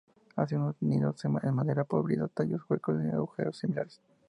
Hacen sus nidos en madera podrida, tallos huecos o agujeros similares.